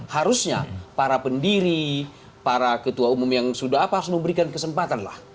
harusnya para pendiri para ketua umum yang sudah apa harus memberikan kesempatan lah